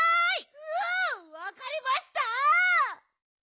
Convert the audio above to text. うわわかりました！